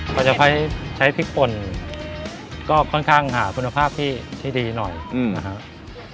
พอจะก็ให้ใช้พริกปนก็ค่อยข้างหาคุณภาพที่ที่ดีหน่อยอืมนะฮะ